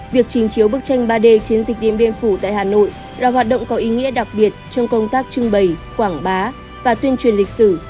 việc trình chiếu bức tranh ba d chiến dịch điện biên phủ tại hà nội là hoạt động có ý nghĩa đặc biệt trong công tác trưng bày quảng bá và tuyên truyền lịch sử